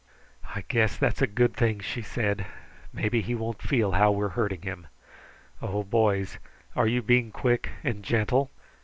"I guess that's a good thing," she said. "Maybe he won't feel how we are hurting him. Oh boys, are you being quick and gentle?"